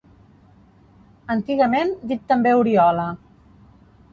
Antigament dit també Oriola.